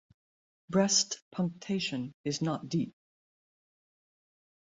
Breast punctation is not deep.